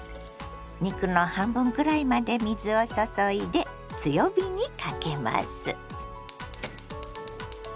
肉の半分くらいまで水を注いで強火にかけます。